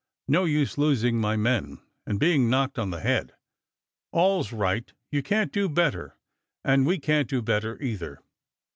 No use losing my men, or being knocked on the head." "All's right you can't do better, and we can't do better either."